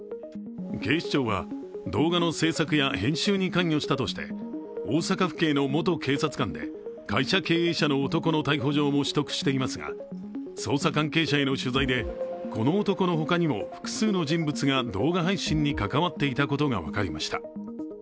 警視庁は動画の制作や編集に関与したとして大阪府警の元警察官で会社経営者の男の逮捕状も取得していますが捜査関係者への取材でこの男の他にも複数の人物が動画配信に関わっていたことが分かりました。